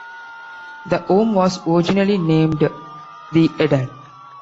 The home was originally named "The Eden".